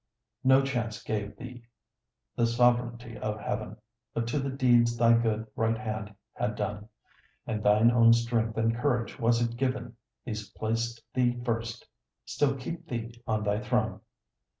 No chance gave thee the sovranty of heaven; But to the deeds thy good right hand had done, And thine own strength and courage, was it given; These placed thee first, still keep thee on thy throne.